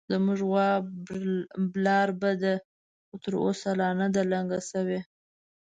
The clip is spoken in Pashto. زموږ غوا برالبه ده، خو تر اوسه لا نه ده لنګه شوې